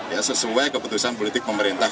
ya sesuai keputusan politik pemerintah